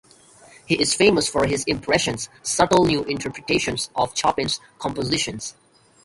He is famous for his "Impressions", subtle new interpretations of Chopin's compositions.